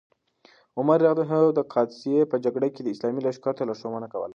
عمر رض د قادسیې په جګړه کې اسلامي لښکر ته لارښوونه کوله.